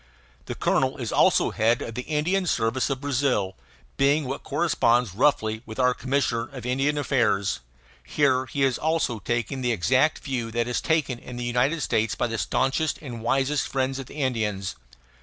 The colonel is also head of the Indian service of Brazil, being what corresponds roughly with our commissioner of Indian affairs. Here also he is taking the exact view that is taken in the United States by the staunchest and wisest friends of the Indians.